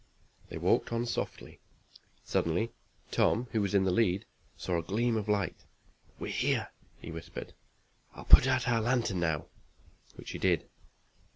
They walked on softly. Suddenly Tom, who was in the lead, saw a gleam of light. "We're here," he whispered. "I'll put out our lantern, now," which he did.